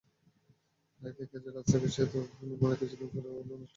প্রায়ই দেখা যায়, রাস্তাঘাট, সেতু নির্মাণের কিছুদিন পরই সেগুলো নষ্ট হয়ে যাচ্ছে।